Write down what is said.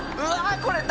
これ何？